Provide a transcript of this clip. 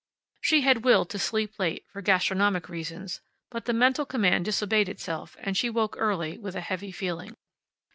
She had willed to sleep late, for gastronomic reasons, but the mental command disobeyed itself, and she woke early, with a heavy feeling.